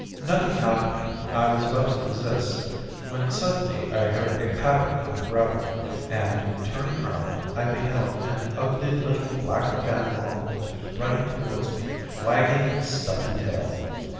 "Nothing happening, I was about to desist, when suddenly I heard a pattering on the gravel, and turning round I beheld an ugly little black and tan mongrel running towards me, wagging its stumpy tail.